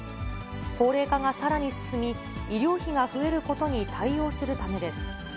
高齢化がさらに進み、医療費が増えることに対応するためです。